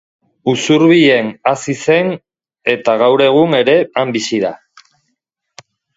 Usurbilen hazi zen, eta gaur egun ere han bizi da.